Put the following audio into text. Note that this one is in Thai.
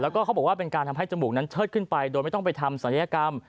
แล้วก็เขาบอกว่าเป็นการทำให้จมูกนั้นเชิดขึ้นไปโดยไม่ต้องไปทำศัลยกรรม